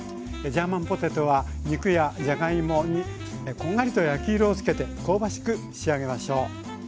ジャーマンポテトは肉やじゃがいもにこんがりと焼き色をつけて香ばしく仕上げましょう。